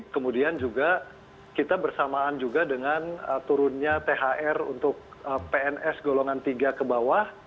kemudian juga kita bersamaan juga dengan turunnya thr untuk pns golongan tiga ke bawah